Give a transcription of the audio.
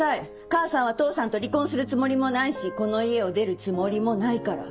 母さんは父さんと離婚するつもりもないしこの家を出るつもりもないから。